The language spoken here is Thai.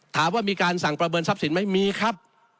ถามว่ามีการสั่งประเมินทรัพย์สินไหมมีครับ